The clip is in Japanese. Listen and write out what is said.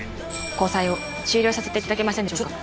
交際を終了させて頂けませんでしょうか。